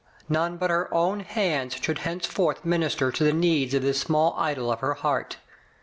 None but her own hands should hence forth minister to the needs of this small idol of her heart.